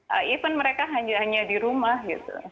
even mereka hanya di rumah gitu